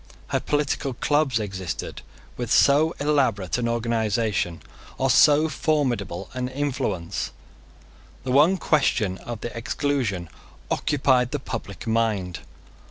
Never before had political clubs existed with so elaborate an organisation or so formidable an influence. The one question of the Exclusion occupied the public mind.